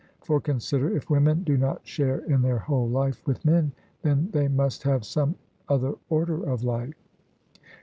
For consider; if women do not share in their whole life with men, then they must have some other order of life.